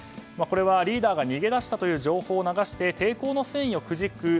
これはリーダーが逃げ出したという情報を流して抵抗の戦意をくじく